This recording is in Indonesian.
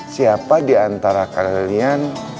siapa di antara kalian